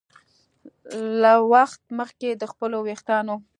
له وخت مخکې د خپلو ویښتانو